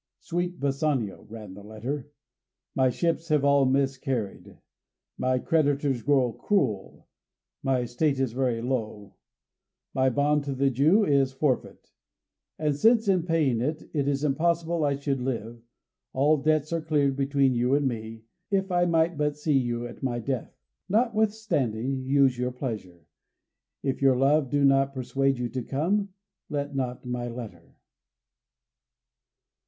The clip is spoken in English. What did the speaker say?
"Sweet Bassanio," ran the letter, "my ships have all miscarried, my creditors grow cruel, my estate is very low, my bond to the Jew is forfeit; and since, in paying it, it is impossible I should live, all debts are cleared between you and me if I might but see you at my death. Notwithstanding, use your pleasure; if your love do not persuade you to come, let not my letter."